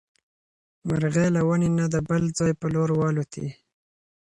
مرغۍ له ونې نه د بل ځای په لور والوتې.